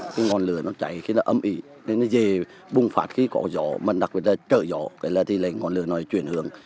cái ngọn lửa nó cháy khi nó ấm ị nó về bùng phát khi có gió đặc biệt là trở gió thì ngọn lửa nó chuyển hướng